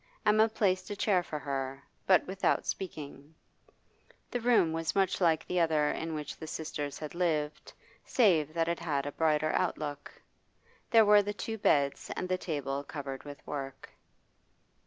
Emma placed a chair for her, but without speaking. The room was much like the other in which the sisters had lived, save that it had a brighter outlook. There were the two beds and the table covered with work.